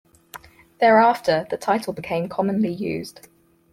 Thereafter, the title became commonly used.